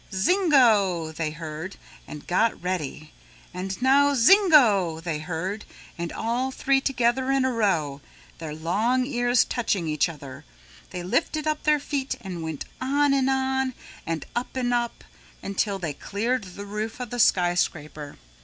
"Zingo," they heard and got ready. "And now zingo," they heard and all three together in a row, their long ears touching each other, they lifted off their feet and went on and on and up and up till they cleared the roof of the skyscraper.